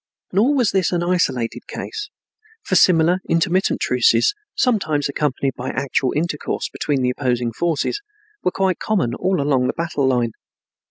Nor was this an isolated case, for similar intermittent truces, sometimes accompanied by actual intercourse between the opposing forces, were quite common all along the battle line.